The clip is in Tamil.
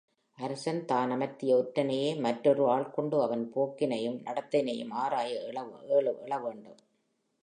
அரசன் தான் அமர்த்திய ஒற்றனையே மற்றொரு ஆள் கொண்டு அவன் போக்கினையும் நடத்தையினையும் ஆராய ஏழு வேண்டும்.